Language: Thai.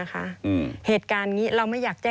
มีบอกว่าเป็นผู้การหรือรองผู้การไม่แน่ใจนะคะที่บอกเราในโทรศัพท์